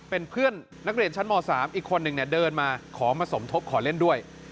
เป็นเพื่อนนักเรียนชั้นม๓อีกคนหนึ่งเดินมาขอมาสมทบขอเล่นด้วย